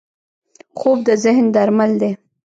خوب د ذهن درمل دی